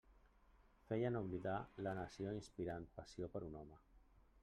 Feien oblidar la nació inspirant passió per un home.